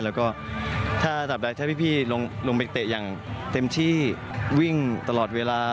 และก็ถ้าพี่ลงไปเตะอย่างเต็มที่วิ่งตลอดเวลา